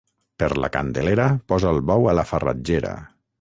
Per la Candelera posa el bou a la farratgera.